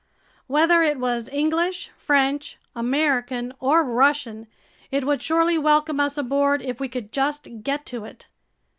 Whether it was English, French, American, or Russian, it would surely welcome us aboard if we could just get to it.